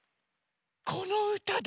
このうただ。